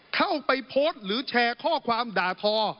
เข้าไปโพสต์หรือแชร์ข้อความด่าทอ